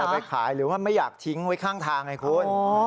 ไปขายหรือว่าไม่อยากทิ้งไว้ข้างทางไงคุณ